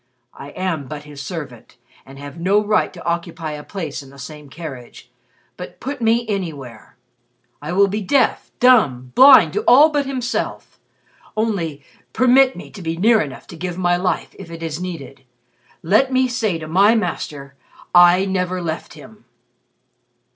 I am but his servant, and have no right to occupy a place in the same carriage. But put me anywhere. I will be deaf, dumb, blind to all but himself. Only permit me to be near enough to give my life if it is needed. Let me say to my Master, 'I never left him.'"